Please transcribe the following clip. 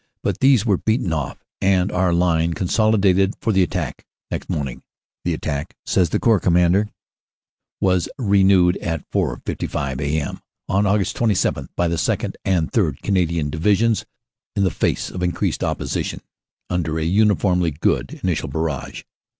But these were beaten off and our line consolidated for the attack next morning. "The attack," says the Corps Commander, "was renewed OPERATIONS: AUG. 26 27 129 at 4.55 a.m. on Aug. 27 by the 2nd. and 3rd. Canadian Divi sions, in the face of increased opposition, under a uniformly good initial barrage.